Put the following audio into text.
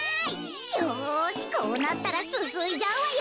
よしこうなったらすすいじゃうわよ。